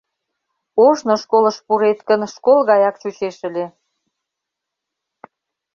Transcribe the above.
Ожно школыш пурет гын, школ гаяк чучеш ыле.